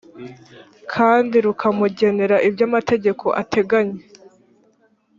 kandi rukamugenera ibyo amategeko ateganya